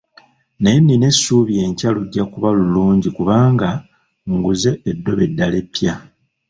Naye nina essuubi enkya lujja kuba lulungi kubanga nguze eddobo eddala eppya.